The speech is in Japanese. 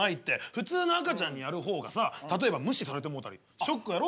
普通の赤ちゃんにやる方がさ例えば無視されてもうたりショックやろ？